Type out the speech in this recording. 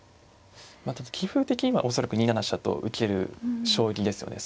まあただ棋風的には恐らく２七飛車と受ける将棋ですよね